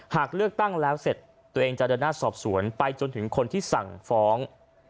หากเลือกตั้งแล้วเสร็จตัวเองจะเดินหน้าสอบสวนไปจนถึงคนที่สั่งฟ้อง